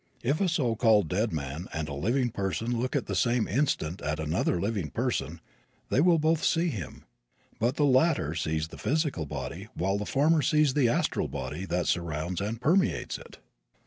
If a so called dead man and a living person look at the same instant at another living person they will both see him, but the latter sees the physical body while the former sees the astral body that surrounds and permeates it.